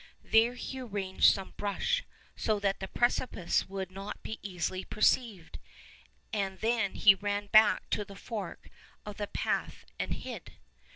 There he arranged some brush so that the precipice would not be easily perceived, and then he ran back to the fork of the path and hid.